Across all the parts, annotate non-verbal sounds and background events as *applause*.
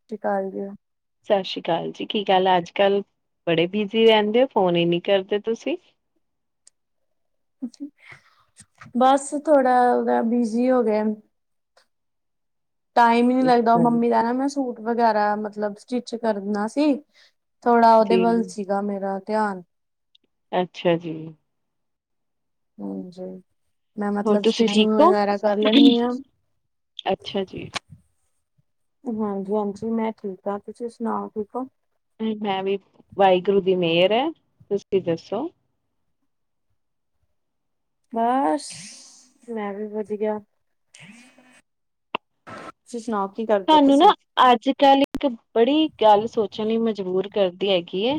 ਸਾਸਰੀ ਕਾਲ ਜੀ। ਸਤਿ ਸ਼੍ਰੀ ਅਕਾਲ ਜੀ। ਕੀ ਗੱਲ ਅੱਜ-ਕਲ ਬੜੇ ਬਿਜ਼ੀ ਰਹਿੰਦੇ ਓ, ਫੋਨ ਹੀ ਨੀਂ ਕਰਦੇ ਤੁਸੀਂ? ਬਸ ਥੋੜਾ ਉਹਦਾ ਬਿਜੀ ਹੋ ਰਿਹੈ। ਟਾਈਮ ਈ ਨੀ ਲੱਗਦਾ, ਉਹ ਮੰਮੀ ਦਾ ਨਾ ਮੈਂ ਸੂਟ ਵਗੈਰਾ ਮਤਲਬ ਸਟਿੱਚ ਕਰਨਾ ਸੀ, ਥੋੜਾ ਉਹਦੇ ਜੀ ਵੱਲ ਸੀਗਾ ਮੇਰਾ ਧਿਆਨ ਅੱਛਾ ਜੀ। ਹਾਜੀ। ਮੈਂ ਹੋਰ ਮਤਲਬ ਤੁਸੀਂ ਠੀਕ ਸਟਿਚਿੰਗ ਹੋ ਵਗੈਰਾ ਕਰ ਲੈਂਨੀ ਆਂ। ਅੱਛਾ ਜੀ ਹਾਂਜੀ-ਹਾਂਜੀ। ਮੈਂ ਠੀਕ ਆ, ਤੁਸੀਂ ਸੁਣਾਓ ਠੀਕ ਓ? ਮੈਂ ਵੀ *inaudible* ਵਾਹਿਗੁਰੂ ਦੀ ਮਿਹਰ ਐ। ਤੁਸੀਂ ਦੱਸੋ? ਬਸ ਮੈਂ ਵੀ ਵਧੀਆ। ਤੁਸੀਂ ਸੁਣਾਓ ਕੀ ਕਰਦੇ ਪਏ ਸੀ? ਅੱਜ-ਕੱਲ ਇੱਕ ਬੜੀ ਗੱਲ ਸੋਚਣ ਲਈ ਮਜਬੂਰ ਕਰਦੀ ਹੈਗੀ ਏ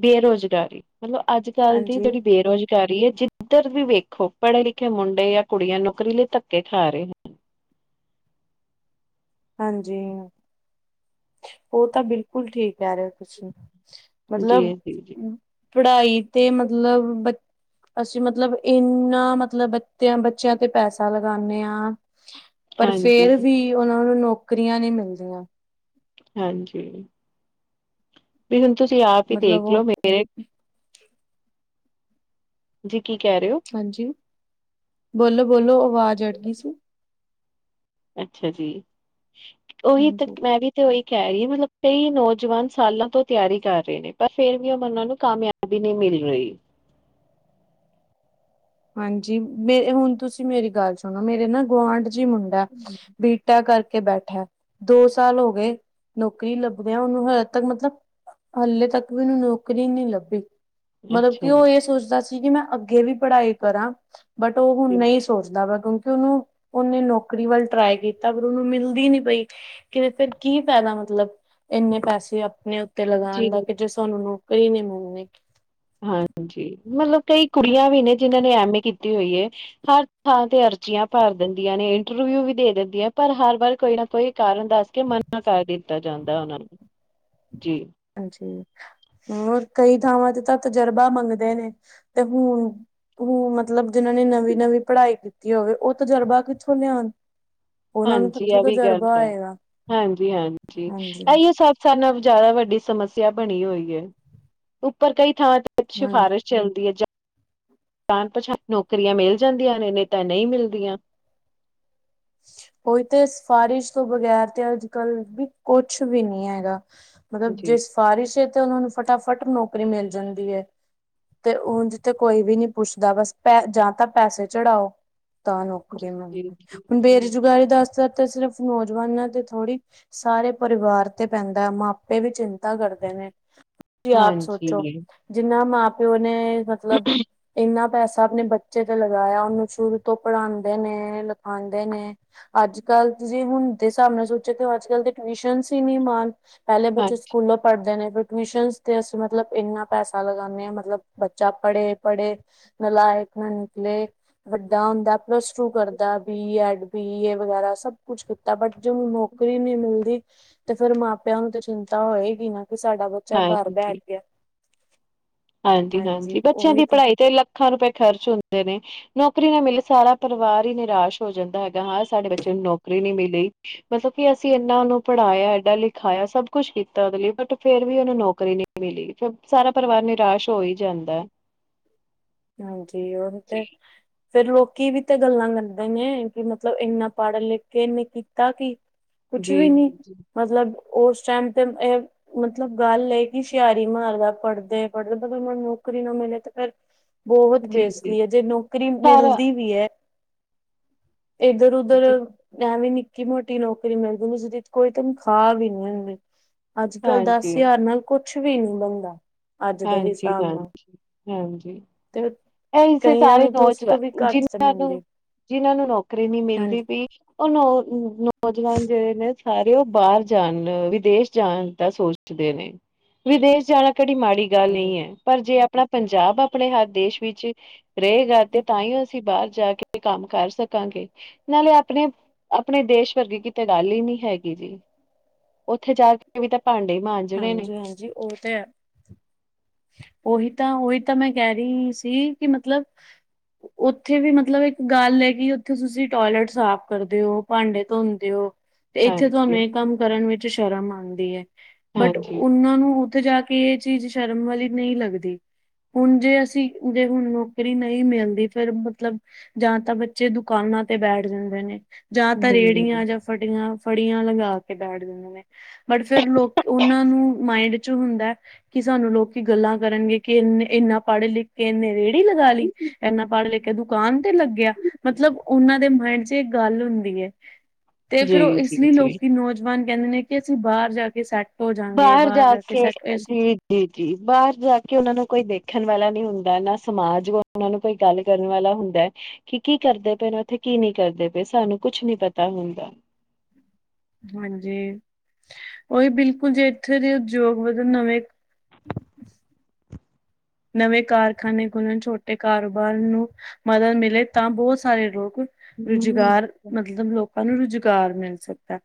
ਬੇਰੁਜ਼ਗਾਰੀ, ਮਤਲਬ ਅੱਜ-ਕਲ ਦੀ ਹਾਂਜੀ ਜਿਹੜੀ ਬੇਰੁਜ਼ਗਾਰੀ ਕਰ ਰਹੀ ਐ। ਜਿੱਧਰ ਵੀ ਵੇਖੋ ਪੜ੍ਹੇ-ਲਿਖੇ ਮੁੰਡੇ ਜਾਂ ਕੁੜੀਆਂ ਨੌਕਰੀ ਲਈ ਧੱਕੇ ਖਾ ਰਹੇ ਨੇ। ਹਾਂਜੀ। ਉਹ ਤਾਂ ਬਿਲਕੁਲ ਠੀਕ ਕਹਿ ਰਹੇ ਓ ਤੁਸੀਂ। ਜੀ ਮਤਲਬ ਜੀ ਜੀ ਪੜ੍ਹਾਈ ਤੇ ਮਤਲਬ ਬ ਅਸੀਂ ਮਤਲਬ ਏਨਾ ਮਤਲਬ ਬੱਤਿਆਂ ਬੱਚਿਆਂ ਤੇ ਪੈਸਾ ਲਗਾਨੇ ਆ *inaudible* ਪਰ ਫੇਰ ਵੀ ਓਨਾਂ ਨੂੰ ਨੌਕਰੀਆਂ ਨੀ ਮਿਲਦੀਆਂ। ਹਾਂਜੀ। ਵੀ ਹੁਣ ਤੁਸੀਂ ਆਪ ਈ ਮਤਲਬ ਦੇਖਲੋ ਉਹ ਮੇਰੇ ਜੀ ਕੀ ਕੈ ਰੇ ਓ? ਹਾਂਜੀ ਬੋਲੋ-ਬੋਲੋ ਆਵਾਜ਼ ਅੜ ਗਈ ਸੀ। ਅੱਛਾ ਜੀ ਓਹੀ ਤਾਂ ਹਾਂਜੀ। ਮੈਂ ਵੀ ਤੇ ਓਈ ਕੈ ਰੀਆ ਮਤਲਬ ਕਈ ਨੌਜਵਾਨ ਸਾਲਾਂ ਤੋਂ ਤਿਆਰੀ ਕਰ ਰੇ ਨੇ ਪਰ ਫੇਰ ਵੀ ਓਨ ਓਨਾਂ ਨੂੰ ਕਾਮਯਾਬ ਯਾਭੀ ਨੀ ਮਿਲੀ ਹੋਈ। ਹਾਂਜੀ ਮੇ ਹੁਣ ਤੁਸੀਂ ਮੇਰੀ ਗੱਲ ਸੁਣੋ ਮੇਰੇ ਨਾ ਗੁਆਂਢ ਚ ਈ ਮੁੰਡਾ ਬੀ ਟੈਕ ਕਰਕੇ ਬੈਠਾ ਦੋ ਸਾਲ ਹੋ ਗਏ ਨੌਕਰੀ ਲੱਭਦਿਆਂ ਓਨੂੰ ਹਲੇ ਤੱਕ ਮਤਲਬ ਹਾਲੇ ਤੱਕ ਵੀ ਓਨੂੰ ਨੌਕਰੀ ਨੀ ਲੱਭੀ। ਮਤਲਬ ਅੱਛਾ ਕੀ ਓ ਜੀ, ਏ ਸੋਚਦਾ ਸੀ ਕੀ ਮੈਂ ਅੱਗੇ ਵੀ ਪੜ੍ਹਾਈ ਕਰਾਂ ਬਟ ਓ ਹੁਣ ਨਹੀਂ ਸੋਚਦਾ ਵਾ ਕਿਉਂਕੀ ਉਨੂੰ ਉਨੇ ਨੌਕਰੀ ਵੱਲ ਟਰਾਈ ਕੀਤਾ ਪਰ ਉਨੂੰ ਮਿਲਦੀ ਨੀ ਪਈ ਕਿਤੇ ਫਿਰ ਕੀ ਫੈਦਾ ਮਤਲਬ ਇੰਨੇ ਪੈਸੇ ਆਪਣੇ ਤੇ ਜੀ ਲਗਾਣ ਦਾ ਕੀ ਜੇ ਸਾਨੂੰ ਨੌਕਰੀ ਨੀ ਮਿਲਣੀ। ਹਾਂਜੀ ਮਤਲਬ ਕਈ ਕੁੜੀਆਂ ਵੀ ਨੇ ਜਿਨਾਂ ਨੇ ਐਮ ਏ ਕੀਤੀ ਹੋਈ ਏ ਹਰ ਥਾਂ ਤੇ ਅਰਜ਼ੀਆਂ ਭਰ ਦਿੰਦੀਆਂ ਨੇ ਇੰਟਰਵਿਊ ਵੀ ਦੇ ਦਿੰਦੀਆਂ ਪਰ ਹਰ ਵਾਰ ਕੋਈ ਨਾ ਕੋਈ ਕਾਰਨ ਦੱਸ ਕੇ ਮਨਾ ਕਰ ਦਿੱਤਾ ਜਾਂਦਾ ਉਨਾਂ ਨੂੰ ਜੀ। ਹਾਂਜੀ ਹੋਰ ਕਈ ਥਾਵਾਂ ਤੇ ਤਾਂ ਤਜਰਬਾ ਮੰਗਦੇ ਨੇ ਤੇ ਹੁਣ ਹੂੰ ਮਤਲਬ ਜਿਨਾਂ ਨੇ ਨਵੀਂ-ਨਵੀਂ ਪੜ੍ਹਾਈ ਕੀਤੀ ਹੋਵੇ ਓ ਤਜਰਬਾ ਕਿੱਥੋਂ ਲਿਆਓਣ ਹਾਂਜੀ ਐ ਵੀ ਗੱਲ ਐ ਆਏਗਾ ਹਾਂਜੀ-ਹਾਂਜੀ ਹਾਂਜੀ ਐਈਓ ਸਭ ਸਾਨੂੰ ਬ ਜਾਦਾ ਵੱਡੀ ਸਮੱਸਿਆ ਬਣੀ ਹੋਈ ਐ ਉੱਪਰ ਕਈ ਥਾਵਾਂ ਤੇ ਹਾਂਜੀ ਸਿਫਾਰਸ਼ ਚੱਲਦੀ ਐ ਜਾ ਜਾਣ ਪਤਾਂਣ ਨੌਕਰੀਆਂ ਮਿਲ ਜਾਂਦੀਆਂ ਨੇ ਨਈ ਤਾਂ ਨਈ ਮਿਲਦੀਆਂ। ਓਹੀ ਤੇ ਸਿਫਾਰਸ਼ ਤੋਂ ਬਗੈਰ ਤੇ ਅੱਜ ਕੱਲ੍ਹ ਵੀ ਕੁਛ ਵੀ ਨੀ ਹੈਗਾ। ਮਤਲਬ ਜੇ ਜੀ, ਸਿਫਾਰਿਸ਼ ਐ ਤੇ ਉਨਾਂ ਨੂੰ ਫਟਾਫਟ ਨੌਕਰੀ ਮਿਲ ਜਾਂਦੀ ਐ। ਤੇ ਉਂਜ ਜਿੱਥ ਕੋਈ ਵੀ ਨੀ ਪੁੱਛਦਾ ਬਸ ਪੈ ਜਾਂ ਤਾਂ ਪੈਸੇ ਚੜਾਓ ਤਾਂ ਜੀ, ਨੌਕਰੀ ਜੀ, ਮਿਲਦੀ ਜੀ, ਹੁਣ ਜੀ ਬੇਰੁਜ਼ਗਾਰੀ ਦਾ ਅਸਰ ਤੇ ਸਿਰਫ਼ ਨੌਜਵਾਨਾਂ ਤੇ ਥੋੜ੍ਹੀ ਸਾਰੇ ਪਰਿਵਾਰ ਤੇ ਪੈਂਦੈ ਮਾਪੇ ਵੀ ਚਿੰਤਾ ਕਰਦੇ ਨੇ। ਸੀ ਯਾਦ ਸੋਚੋ ਹਾਂਜੀ, ਹਾਂਜੀ, ਜਿੰਨਾ ਮਾਂ ਪਿਓ ਨੇ ਮਤਲਬ ਇੰਨਾ ਪੈਸਾ ਆਪਣੇ ਬੱਚੇ ਤੇ ਲਗਾਇਆ ਉਨੂੰ ਸ਼ੁਰੂ ਤੋਂ ਪੜ੍ਹਾਂਦੇ ਨੇ ਆਂਦੇ ਨੇ ਅੱਜ ਕੱਲ੍ਹ ਜੇ ਹੁਣ ਦੇ ਹਿਸਾਬ ਨਾਲ ਸੋਚਿਆ ਤੇ ਅੱਜ ਕੱਲ ਦੇ ਟਿਊਸ਼ਨਜ ਈ ਨੀ ਮਾਨ। ਪੈਲੇ ਬੱਚੇ ਸਕੂਲੋਂ ਪੜ੍ਹਦੇ ਨੇ ਫੇ ਟਿਊਸ਼ਨਸ਼ ਤੇ ਅਸੀਂ ਮਤਲਬ ਇੰਨਾ ਪੈਸਾ ਲਗਾਨੇ ਆ ਮਤਲਬ ਬੱਚਾ ਪੜ੍ਹੇ-ਪੜ੍ਹੇ ਨਲਾਇਕ ਨਾ ਨਿਕਲੇ ਵੱਡਾ ਹੁੰਦਾ ਪਲੱਸ ਟੂ ਕਰਦਾ ਬੀ ਐਡ, ਬੀ ਏ ਵਗੈਰਾ ਸਭ ਕੁਛ ਕੀਤਾ ਬਟ ਜ ਨੌਕਰੀ ਨੀ ਮਿਲਦੀ ਤੇ ਫੇਰ ਮਾਪਿਆਂ ਨੂੰ ਤੇ ਚਿੰਤਾ ਹੋਏਗੀ ਨਾ ਕੀ ਸਾਡਾ ਬੱਚਾ ਘਰ ਹਾਂਜੀ। ਬੈਠ ਗਿਆ। ਹਾਂਜੀ-ਹਾਂਜੀ ਹਾਂਜੀ ਬੱਚਿਆਂ ਉਹੀ ਦੀ ਤਾਂ ਪੜ੍ਹਾਈ ਤੇ ਰੁਪਏ ਲੱਖਾਂ ਰੁਪਏ ਖਰਚ ਹੁੰਦੇ ਨੇ ਨੌਕਰੀ ਨਾ ਮਿਲੇ ਸਾਰਾ ਪਰਿਵਾਰ ਈ ਨਿਰਾਸ਼ ਹੋ ਜਾਂਦਾ ਹੈਗਾ ਹਾਂ ਸਾਡੇ ਬੱਚੇ ਨੂੰ ਨੌਕਰੀ ਨੀ ਮਿਲੀ ਮਤਲਬ ਕੀ ਅਸੀਂ ਏਨਾ ਓਨੂੰ ਪੜ੍ਹਾਇਆ ਏਡਾ ਲਿਖਾਇਆ ਸਭ ਕੁਛ ਕੀਤਾ ਓ ਲਈ ਬਟ ਫੇਰ ਵੀ ਓਨੂੰ ਨੌਕਰੀ ਨੀ ਮਿਲੀ, ਫੇਰ ਸਾਰਾ ਪਰਿਵਾਰ ਨਿਰਾਸ਼ ਹੋ ਹੀ ਜਾਂਦਾ। ਹਾਂਜੀ, ਉਹਦੇ ਤੇ ਫਿਰ ਲੋਕੀ ਵੀ ਤੇ ਗੱਲਾਂ ਕਰਦੇ ਨੇ, ਕਿ ਮਤਲਬ ਇੰਨਾ ਪੜ ਲਿਖ ਕੇ ਇਹਨੇ ਕੀਤਾ ਕੀ *inaudible* ਕੁਛ ਵੀ ਨੀ, ਜੀ-ਜੀ, ਮਤਲਬ ਉਸ ਟੈਮ ਤੇ ਏ ਮਤਲਬ ਗੱਲ ਏ ਕਿ ਹੁਸ਼ਿਆਰੀ ਮਾਰਦਾ, ਪੜ੍ਹਦੇ ਪੜ੍ਹਦੇ ਮਤਲਬ ਮੈਨੂੰ ਨੌਕਰੀ ਨਾ ਮਿਲੇ ਤੇ ਫੇਰ ਬਹੁਤ ਜੀ-ਜੀ, ਬੇਸਤੀ ਏ, ਜੇ ਨੌਕਰੀ ਸਾਰਾ ਮਿਲਦੀ ਵੀ ਐ। ਇੱਧਰ ਉਧਰ ਜੀ, ਐਂਵੀ ਨੀ ਨਿੱਕੀ ਮੋਟੀ ਨੌਕਰੀ ਮਿਲ ਜਾਂਦੀ, ਜਿਹਦੀ ਕੋਈ ਤਨਖਾਹ ਵੀ ਨੀ ਆਉਂਦੀ, ਅੱਜ- ਕੱਲ ਹਾਂਜੀ, ਦਸ ਹਜ਼ਾਰ ਨਾਲ ਕੁਛ ਵੀ ਨੀ ਬਣਦਾ, ਅੱਜ ਦੇ ਹੀ ਹਾਂਜੀ, ਹਿਸਾਬ ਹਾਂ, ਨਾਲ ਹਾਂਜੀ, ਤੇ ਇਹ ਇਸੇ ਕਈਆਂ ਸਾਰੇ ਨੂੰ ਤਾਂ ਉਸ ਤੋਂ ਵੀ ਨੌਜਵਾਨ, ਘੱਟ ਤੇ ਜਿੰਨਾਂ ਮਿਲਦੀ ਨੂੰ ਜਿੰਨਾਂ ਨੂੰ ਨੌਕਰੀ ਨੀ ਮਿਲਦੀ ਹਾਂਜੀ। ਪਈ ਉਹ ਨੌ, ਨੌਜਵਾਨ ਜੇੜੇ ਨੇ ਸਾਰੇ ਉਹ ਬਾਹਰ ਜਾਣ, ਵਿਦੇਸ਼ ਜਾਣ ਦਾ ਸੋਚ ਸੋਚਦੇ ਨੇ, ਵਿਦੇਸ਼ ਜਾਲ ਕੇੜੀ ਮਾੜੀ ਗੱਲ ਨਹੀ ਐ, ਪਰ ਜੇ ਆਪਣਾ ਪੰਜਾਬ, ਆਪਣੇ ਹਰ ਦੇਸ਼ ਵਿੱਚ ਰਹੇਗਾ ਤੇ ਤਾਂਹੀ ਅਸੀਂ ਬਾਹਰ ਜਾ ਕੇ ਕੰਮ ਕਰ ਸਕਾਂਗੇ ਨਾਲੇ ਆਪਣੇ, ਆਪਣੇ ਦੇਸ਼ ਵਰਗੀ ਕਿਤੇ ਗੱਲ ਹੀ ਨਹੀਂ ਹੈਗੀ ਜੀ। ਉੱਥੇ ਜਾ ਕੇ ਵੀ ਤਾਂ ਭਾਂਡੇ ਹੀ ਮਾਂਜ ਹਾਂਜੀ- ਹਾਂਜੀ ਉਹ ਤੇ ਐ ਉਹੀ ਤਾਂ, ਉਹੀ ਤਾਂ ਮੈਂ ਕਹਿ ਰੀ, ਸੀ ਕਿ ਮਤਲਬ ਉੱਥੇ ਵੀ ਮਤਲਬ, ਇੱਕ ਗੱਲ ਐ ਕਿ ਉੱਥੇ ਤੁਸੀਂ ਟੋਇਲਟ ਸਾਫ ਕਰਦੇ ਓ। ਭਾਂਡੇ ਧੋਂਦੇ ਓ। ਤੇ ਇੱਥੇ ਤੁਹਾਨੂੰ ਹਾਂਜੀ ਇਹ ਕੰਮ ਕਰਨ ਵਿੱਚ ਸ਼ਰਮ ਆਉਂਦੀ ਏ, ਬਟ ਹਾਂਜੀ ਉਹਨਾਂ ਨੂੰ ਉੱਥੇ ਜਾ ਕਿ ਇਹ ਚੀਜ਼ ਸ਼ਰਮ ਵਾਲੀ ਨਹੀ ਲੱਗਦੀ। ਹੁਣ ਜੇ ਅਸੀਂ, ਜੇ ਨੌਕਰੀ ਨਹੀਂ ਮਿਲਦੀ ਫੇਰ ਮਤਲਬ ਜਾਂ ਤਾਂ ਬੱਚੇ ਦੁਕਾਨਾਂ ਤੇ ਬੈਠ ਜਾਂਦੇ ਨੇ ਜਾਂ ਤਾਂ ਹੂੰ। ਰੇੜੀਆਂ, ਜਾਂ ਫਟੀਆਂ ਫੜੀਆਂ ਲਗਾ ਕੇ ਬੈਠ ਦਿੰਦੇ ਨੇ, ਬਟ ਫੇਰ ਲੋਕ ਉਹਨਾਂ ਨੂੰ ਮਾਇੰਡ 'ਚ' ਹੁੰਦਾ ਕਿ ਸਾਨੂੰ ਲੋਕੀ ਗੱਲਾਂ ਕਰਨਗੇ ਕਿ ਇਹਨੇ, ਐਨਾ ਪੜ੍ਹ ਲਿਖ ਕੇ ਇਹਨੇ ਰੇਹੜੀ ਲਗਾ ਲਈ ਐਨਾ ਪੜ੍ਹ ਲਿਖ ਕੇ ਦੁਕਾਨ ਤੇ ਲੱਗਿਆ‌। ਮਤਲਬ ਉਹਨਾਂ ਦੇ ਮਾਇੰਡ 'ਚ ਇਹ ਗੱਲ ਹੁੰਦੀ ਐ, ਤੇ ਜੀ ਫਿਰ ਉਹ ਇਸ ਜੀ ਲਈ ਜੀ। ਲੋਕੀ ਨੌਜ ਜਵਾਨ ਕਹਿੰਦੇ ਨੇ ਕਿ ਅਸੀਂ ਬਾਹਰ ਜਾ ਕੇ ਸੈ ਬਾਹਰ ਜਾ ਕੇ, ਜੀ ਜੀ- ਜੀ ਬਾਹਰ ਜਾ ਕੇ ਉਹਨਾਂ ਨੂੰ ਕੋਈ ਦੇਖਣ ਵਾਲਾ ਨੀ ਹੁੰਦਾ ਨਾ, ਸਮਾਜ ਉਹਨਾਂ ਨੂੰ ਕੋਈ ਗੱਲ ਕਰਨ ਵਾਲਾ ਹੁੰਦਾ ਕੀ, ਕੀ ਕਰਦੇ ਪਏ ਨਾ ਉੱਥੇ, ਕੀ ਨੀ ਕਰਦੇ ਪਏ, ਸਾਨੂੰ ਕੁਛ ਨੀ ਪਤਾ ਹੁੰਦਾ ਹਾਂਜੀ, ਉਹੀ ਬਿਲਕੁਲ ਜੇ ਐਥੇ ਦੇ ਉਦਯੋਗ ਵਧਣ ਨਵੇਂ ਨਵੇਂ ਕਾਰਖਾਨੇ ਖੁਲਣ, ਛੋਟੇ ਕਾਰੋਬਾਰ ਨੂੰ, ਮਦਦ ਮਿਲੇ ਤਾਂ ਬਹੁਤ ਸਾਰੇ ਲੋਗ ਰੁਜ਼ਗਾਰ, ਮਤਲਬ ਲੋਕਾਂ ਨੂੰ ਰੁਜ਼ਗਾਰ ਮਿਲ ਸਕ। ਦਾ,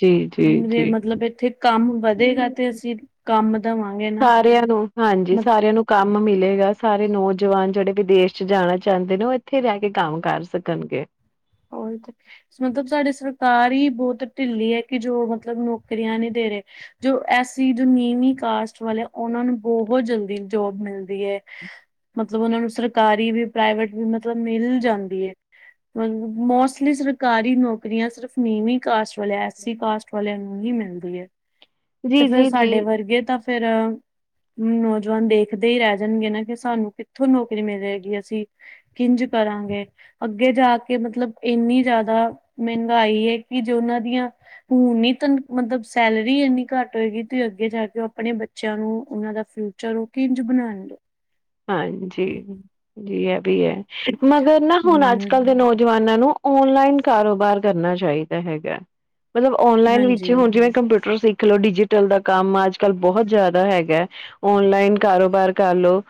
ਜੀ ਜੀ ਜੇ ਜੀ ਮਤਲਬ ਇੱਥੇ ਕੰਮ ਵਧੇਗਾ ਤੇ ਅਸੀਂ ਕੰਮ ਦੇਵਾਂਗੇ ਨਾ ਸਾਰਿਆਂ ਨੂੰ, ਹਾਂਜੀ ਮਤਲਬ ਸਾਰਿਆਂ ਨੂੰ ਕੰਮ ਮਿਲੇਗਾ ਸਾਰੇ ਨੌਜਵਾਨ ਜੇੜੇ ਵਿਦੇਸ਼ 'ਚ' ਜਾਣਾ ਚਾਹੁੰਦੇ ਨੇ, ਉਹ ਇੱਥੇ ਰਹਿ ਕੇ ਕੰਮ ਕਰ ਸਕਣਗੇ। ਉਹੀ ਤੇ ਹੁਣ ਤੱਕ ਸਾਡੀ ਸਰਕਾਰ ਈ ਬਹੁਤ ਢਿੱਲੀ ਏ ਕਿ ਜੋ ਮਤਲਬ ਨੌਕਰੀਆਂ ਨਹੀਂ ਦੇ ਰਹੇ। ਜੋ ਐਸ-ਸੀ ਜੋ ਨੀਂਵੀ ਕਾਸਟ ਵਾਲੇ ਆ, ਓਨਾਂ ਨੂੰ ਬੋਹਤ ਜਲਦੀ ਜੋਬ ਮਿਲਦੀ ਐ ਮਤਲਬ ਓਨਾਂ ਨੂੰ ਸਰਕਾਰੀ ਵੀ, ਪ੍ਰਾਈਵੇਟ ਵੀ ਮਤਲਬ ਮਿਲ ਜਾਂਦੀ ਏ ਮੋਸਟਲੀ ਸਰਕਾਰੀ ਨੌਕਰੀਆਂ ਸਿਰਫ ਨੀਂਵੀ ਕਾਸਟ ਵਾਲੇਆਂ, ਐਸ-ਸੀ ਕਾਸਟ ਵਾਲੇਆਂ ਨੂੰ ਹੀ ਮਿਲਦੀ ਐ *inaudible* ਤੇ ਫੇਰ ਜੀ ਜੀ ਸਾਡੇ ਵਰਗੇ ਤਾਂ ਫੇਰ ਨੌਜਵਾਨ ਦੇਖਦੇ ਈ ਰੈਹ ਜਾਨਗੇ ਨਾ, ਕਿ ਸਾਨੂੰ ਕਿੱਥੋਂ ਨੌਕਰੀ ਮਿਲੇਗੀ ਅਸੀਂ ਕਿੰਜ ਕਰਾਂਗੇ, ਅੱਗੇ ਜਾ ਕੇ ਮਤਲਬ ਏਨੀ ਜਾਦਾ ਮੇਂਗਾਈ ਐ ਕਿ ਜੋ ਓਨਾਂ ਦੀਆਂ ਹੁਨੀ ਤ ਮਤਲਬ ਸੈਲਰੀ ਏਨੀ ਘੱਟ ਹੋਏਗੀ ਤੇ ਅੱਗੇ ਜਾ ਕੇ ਓ ਆਪਨੇ ਬੱ ਚੇਆਂ ਨੂੰ, ਓਨਾਂ ਦਾ ਫਿਊਚਰ ਓ ਕਿੰਜ ਬਨਾਂਨਗੇ। ਹਾਂਜੀ, ਜੀ ਏ ਵੀ ਐ ਮਗਰ ਨਾ ਹੁਨ ਹਮ ਅੱਜ-ਕੱਲ ਦੇ ਨੌਜਵਾਨਾਂ ਨੂੰ ਓਨਲਾਈਨ ਕਾਰੋਬਾਰ ਕਰਨਾ ਚਾਹੀਦੈ ਹੈਗਾ ਮਤਲਬ ਓਨਲਾਈਨ ਵਿੱਚ ਹਾਂਜੀ ਹੁਨ ਜਿਵੇਂ ਕੰਪਿਊਟਰ ਸਿੱਖ ਲਓ, ਡਿਜੀਟਲ ਦਾ ਕੰਮ ਅੱਜ-ਕੱਲ ਬੋਹਤ ਜਾਦਾ ਹੈਗੈ। ਓਨਲਾਈਨ ਕਾਰੋਬਾਰ ਕਰ ਲੋ।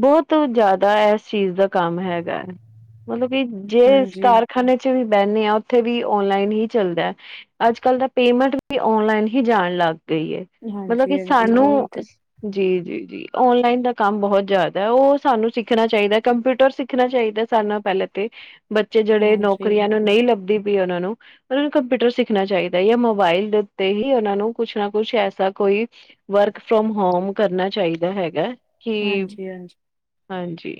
ਬੋਤ ਜਾਦਾ ਏਸ ਚੀਜ ਦਾ ਕੰਮ ਹੈਗੈ ਮਤਲਬ ਕਿ ਜੇ ਏਸ ਹਾਂਜੀ ਕਾਰਖਾਨੇ ਜਿੱਥੇ ਵੀ ਬੈਨੇ ਆਂ, ਓਥੇ ਵੀ ਓਨਲਾਈਨ ਈ ਚੱਲਦੈ ਅੱਜ-ਕੱਲ ਤਾਂ ਪੇਮੈਂਟ ਵੀ ਓਨਲਾਈਨ ਹੀ ਜਾਨ ਲੱਗ ਗਈ ਏ ਮਤਲਬ ਹਾਂਜੀ ਕਿ ਹਾਂਜੀ ਉਹੀ ਸਾਨੂੰ ਤੇ ਜੀ-ਜੀ, ਜੀ ਓਨਲਾਈਨ ਦਾ ਕੰਮ ਬੋਹਤ ਜਾਦਾ ਓ ਸਾਨੂੰ ਸਿੱਖਨਾ ਚਾਈਦਾ, ਕੰਪਿਊਟਰ ਸਿੱਖਨਾ ਚਾਈਦਾ ਸਬ ਨਾਲੋਂ ਪੈਲੇ ਤੇ ਬੱਚੇ ਜੇੜੇ ਹਾਂਜੀ ਨੌਕਰੀਆਂ ਨੂੰ, ਨਈਂ ਲੱਭਦੀ ਪਈ ਓਨਾਂ ਨੂੰ ਮਤਲ ਕੰਪਿਊਟਰ ਸਿੱਖਨਾ ਚਾਈਦੈ, ਯਾ ਮੋਬਾਈਲ ਦੇ ਉੱਤੇ ਹੀ ਓਨਾਂ ਨੂੰ ਕੁਛ ਨਾ ਕੁਛ ਐਸਾ ਕੋਈ ਵਰਕ ਫਰੋਮ ਹੋਮ ਕਰਨਾ ਚਾਈਦੈ ਹੈਗਾ। ਕਿ ਹਾਂਜੀ-ਹਾਂਜੀ। ਹਾਂਜੀ।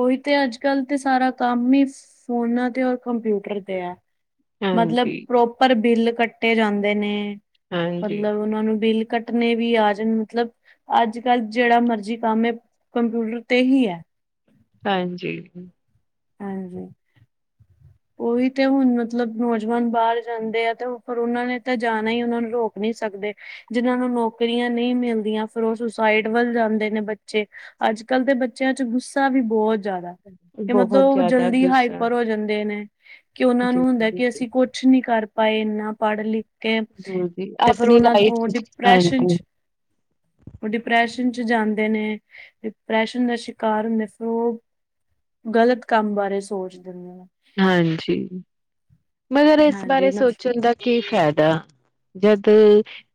ਓਹੀ ਤੇ ਅੱਜ-ਕੱਲ ਤੇ ਸਾਰਾ ਕੰਮ ਈ ਫੋਨਾਂ ਤੇ ਔਰ ਕੰਪਿਊਟਰ ਤੇ ਐ। ਮਤਲਬ ਹਾਂਜੀ ਪ੍ਰੋਪਰ ਬਿੱਲ ਕੱਟੇ ਜਾਂਦੇ ਨੇ, ਹਾਂਜੀ ਮਤਲਬ ਓਨਾਂ ਨੂੰ ਬਿੱਲ ਕੱ ਨੇ ਵੀ ਆ ਜਾਨ ਮਤਲਬ ਅੱਜ-ਕੱਲ ਜੇੜਾ ਮਰਜੀ ਕੰਮ ਐ ਕੰਪਿਊਟਰ ਤੇ ਹੀ ਐ। ਹਾਂਜੀ। ਹਾਂਜੀ। *inaudible* ਓਹੀ ਤੇ ਹੁਨ ਮਤਲਬ ਨੌਜਵਾਨ ਬਾਰ ਜਾਂਦੇ ਐ, ਤੇ ਪਰ ਓਨਾਂ ਨੇ ਤਾਂ ਜਾਨਾ ਈ ਓਨਾਂ ਨੂੰ ਰੋਕ ਨੀ ਸਕਦੇ। ਜਿਨਾਂ ਨੂੰ ਨੌਕਰੀਆਂ ਨਈਂ ਮਿਲਦੀਆਂ, ਫਿਰ ਓ ਸੁਸਾਈਡ ਵੱਲ ਜਾਂਦੇ ਨੇ ਬੱਚੇ। ਅੱਜ-ਕੱਲ ਦੇ ਬੱਚੇਆਂ 'ਚ ਗੁੱਸਾ ਵੀ ਬੋਤ ਜਾਦੈ ਤੇ, ਬਹੁਤ ਮਤਲਬ ਓ ਜ਼ਿਆਦਾ ਜਲਦੀ ਗੁੱਸਾ ਹਾਈਪਰ ਹੋ ਜਾਂਦੇ ਨੇ। ਕਿ ਓਨਾਂ ਜੀ ਨੂੰ ਹੁੰਦਾ ਜੀ ਕਿ, ਜੀ ਅਸੀਂ ਕੁਛ ਨੀ ਕਰ ਪਾਏ ਏਨਾ ਪੜ-ਲਿਖ ਕੇ, ਹਾਂਜੀ ਤੇ ਫੇਰ ਆਪਣੀ ਓਨਾਂ ਦਾ ਲਾਈਫ ਓ ਡਿਪ੍ਰੈਸ਼ਨ ਹਾਂਜੀ 'ਚ ਓ ਡਿਪਰੈਸ਼ਨ 'ਚ ਜਾਂਦੇ ਨੇ, ਡਿਪਰੈਸ਼ਨ ਦਾ ਸ਼ਿਕਾਰ ਹੁੰਦੇ ਨੇ ਫੇਰ ਓ ਗਲਤ ਕੰਮ ਬਾਰੇ ਸੋਚ ਦੇਂਦੇ ਨੇ। ਹਾਂਜੀ। ਮਗਰ ਇਸ ਹਾਂਜੀ ਬਾਰੇ ਸੋਚਨ ਦਾ ਕੀ ਫੈਦਾ, ਜਦ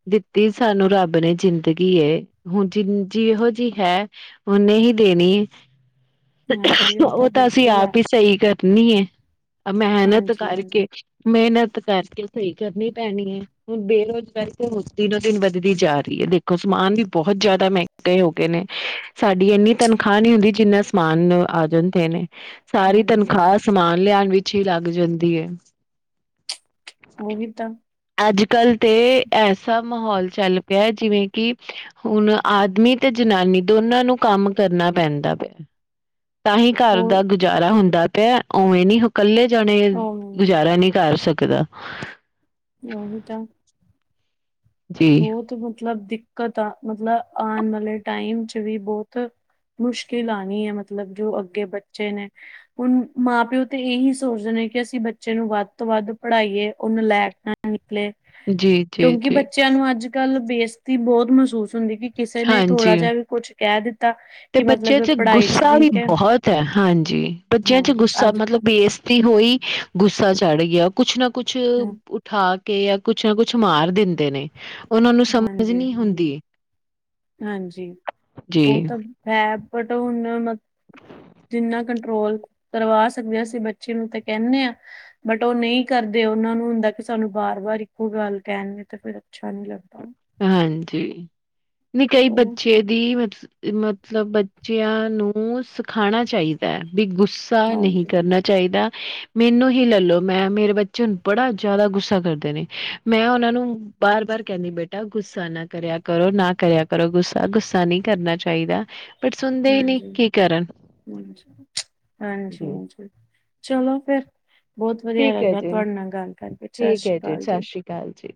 ਦਿੱਤੀ ਸਾਨੂੰ ਰੱਬ ਨੇ ਜਿੰਦਗੀ ਏ ਹੁਨ ਜੇਹੋ ਜੀ ਹੈ ਓਨੇ ਹੀ ਦੇਨੀ ਏ। ਹਾਂਜੀ ਉਹ ਓ ਤਾਂ ਅਸੀਂ ਬਿਲਕੁਲ ਹੈ ਆਪ ਈ ਸਈ ਕਰਨੀ ਐ, ਮੇਹਨਤ ਹਾਂਜੀ ਕਰ ਹਾਂਜੀ। ਮੇਹਨਤ ਕਰਕੇ ਸਈ ਕਰਨੀ ਪੈਂਨੀ ਐ। ਹੁਨ ਬੇਰੁਜ਼ਗਾਰੀ ਤੇ ਦਿਨੋਂ-ਦਿਨ ਵੱਧਦੀ ਜਾ ਰੀ ਐ। ਦੇਖੋ ਸਮਾਨ ਵੀ ਬੋਹਤ ਜਾਦਾ ਮੈੰਹ ਗੇ ਹੋ ਗਏ ਨੇ ਸਾਡੀ ਇੰਨੀ ਤਨਖਾਹ ਨੀ ਹੁੰਦੀ ਜਿੰਨਾ ਸਮਾਨ ਆ ਜਾਂਦੇ ਨੇ। ਸਾਰੀ ਹਾਂਜੀ ਤਨਖਾਹ ਸਮਾਨ ਲਿਆਉਣ ਵਿੱਚ ਹੀ ਲੱਗ ਜਾਂਦੀ ਏ। ਉਹੀ ਤਾਂ ਅੱਜ-ਕੱਲ੍ਹ ਤੇ ਐਸਾ ਮਾਹੌਲ ਚੱਲ ਪਿਆ ਜਿਵੇਂ ਕਿ ਹੁਣ ਆਦਮੀ ਤੇ ਜਨਾਨੀ ਦੋਨਾਂ ਨੂੰ ਕੰਮ ਕਰਨਾ ਪੈਂਦਾ ਪਿਆ। ਤਾਂ ਹੀ ਘਰ ਦਾ ਉਹ ਗੁਜ਼ਾਰਾ ਹੁੰਦਾ ਪਿਆ। ਉਵੇਂ ਨੀ ਇਕੱਲੇ ਜਾਣੇ ਇੱਦਾਂ ਨੀ ਕਰ ਸਕਦਾ। ਉਹ ਤਾਂ ਜੀ ਬਹੁਤ ਮਤਲਬ ਦਿੱਕਤ ਆ ਮਤਲਬ ਆਉਣ ਵਾਲੇ ਟਾਈਮ ਚ ਵੀ ਬਹੁਤ ਮੁਸ਼ਕਿਲ ਆਉਣੀ ਹੈ ਮਤਲਬ ਜੋ ਅੱਗੇ ਬੱਚੇ ਨੇ। ਹੁਣ ਮਾਂ-ਪਿਓ ਤੇ ਇਹੀ ਸੋਚਦੇ ਨੇ ਕਿ ਅਸੀਂ ਬੱਚੇ ਨੂੰ ਵੱਧ ਤੋਂ ਵੱਧ ਪੜ੍ਹਾਈਏ ਉਹ ਨਲੈਕ ਨ ਨਿਕਲੇ ਜੀ, ਜੀ, ਕਿਉਂਕਿ ਜੀ, ਬੱਚਿਆਂ ਨੂੰ ਅੱਜ-ਕੱਲ੍ਹ ਬੇਇਸਤੀ ਬਹੁਤ ਮਹਿਸੂਸ ਹੁੰਦੀ ਕਿਸੇ ਨੇ ਹਾਂਜੀ ਥੋੜ੍ਹਾ ਜਿਹਾ ਵੀ ਕੁਛ ਕਹਿ ਦਿੱਤਾ। ਤੇ ਕਿ ਬੱਚਿਆਂ ਮਤਲਬ ਚ ਪੜ੍ਹਾਈ ਗੁੱਸਾ ਵੀ ਵੀਕ ਹੈ ਬਹੁਤ ਹੈ। ਹਾਂਜੀ, ਬੱਚਿਆਂ ਚ ਹਾਂਜੀ ਗੁੱਸਾ ਅੱਜ ਮਤਲਬ ਬੇਸਤੀ ਹੋਈ। ਗੁੱਸਾ ਚੜ ਗਿਆ ਕੁਛ ਨਾ ਕੁਛ ਹਾਂ ਉਠਾਕੇ ਜਾਂ ਕੁਛ ਨਾ ਕੁਛ ਮਾਰ ਦਿੰਦੇ ਨੇ। ਉਹਨਾਂ ਨੂੰ ਸਮਝ ਹਾਂਜੀ ਨਹੀਂ ਹੁੰਦੀ। ਹਾਂਜੀ, ਜੀ ਉਹ ਤਾਂ ਹੈ ਬਟ ਹੁਣ ਜਿੰਨਾ ਕੰਟਰੋਲ ਕਰਵਾ ਸਕਦੇ ਹਾਂ ਅਸੀਂ ਬੱਚੇ ਨੂੰ ਤੇ ਕਹਿੰਨੇ ਆ ਬਟ ਉਹ ਨਹੀਂ ਕਰਦੇ। ਉਹਨਾਂ ਹੁੰਦਾ ਕਿ ਸਾਨੂੰ ਵਾਰ-ਵਾਰ ਇੱਕੋ ਗੱਲ ਕਹਿਣ। ਤਾਂ ਫੇਰ ਅੱਛਾ ਨੀ ਲੱਗਦਾ। ਹਾਂਜੀ, ਨਹੀਂ ਕਈ ਚਲੋ ਬੱਚੇ ਬੀ ਮਤ ਮਤਲਬ ਬੱਚਿਆਂ ਨੂੰ ਸਿਖਾਉਣਾ ਚਾਹੀਦਾ ਹੈ ਬੀ ਗੁੱਸਾ ਨਹੀਂ ਹਾਂਜੀ ਕਰਨਾ ਚਾਹੀਦਾ‌। ਮੈਨੂੰ ਹੀ ਲੈਲੋ ਮੈਂ ਮੇਰੇ ਬੱਚੇ ਹੁਣ ਬੜਾ ਜ਼ਿਆਦਾ ਗੁੱਸਾ ਕਰਦੇ ਨੇ। ਮੈਂ ਉਹਨਾਂ ਨੂੰ ਬਾਰ ਬਾਰ ਕਹਿੰਦੀ ਬੇਟਾ ਗੁੱਸਾ ਨਾ ਕਰਿਆ ਕਰੋ, ਨਾ ਕਰਿਆ ਕਰੋ ਗੁੱਸਾ। ਗੁੱਸਾ ਨਹੀਂ ਕਰਨਾ ਚਾਹੀਦਾ। ਬਟ ਸੁਣਦੇ ਹੀ ਨਹੀਂ ਹਾਂਜੀ ਕੀ ਕਰਨ ਹ ਜੀ ਹਾਂਜੀ-ਹਾਂਜੀ। ਚਲੋ ਫੇਰ ਬਹੁਤ ਵਧੀਆ ਠੀਕ ਹੈ ਲੱਗਆ ਜੀ ਤੁਹਾਡੇ ਨਾਲ ਗੱਲ ਕਰਕੇ ਸਤਿ ਸ਼੍ਰੀ ਅਕਾਲ ਜੀ। ਕਾਲ ਜੀ।